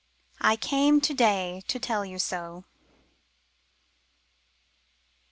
"I CAME TO DAY, TO TELL YOU SO."